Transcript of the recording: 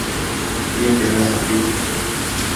Yeh de rasa pitbull.